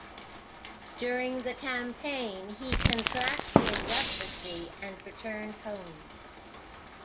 During the campaign he contracted leprosy and returned home.